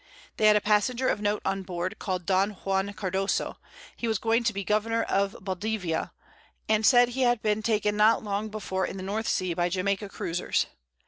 They had a Passenger of Note on board, call'd Don Juan Cardoso, he was going to be Governour of Baldivia, and said he had been taken not long before in the North Sea, by Jamaica Cruisers.